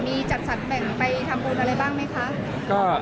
มีจัดสรรแบ่งไปทำบุญอะไรบ้างไหมคะ